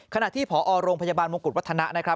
ขณะที่ผรพจบาลมงกุฎวัฒนา